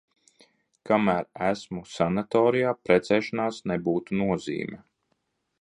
Kamēr esmu sanatorijā – precēšanās nebūtu nozīme.